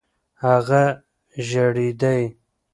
هغه ژړېدی .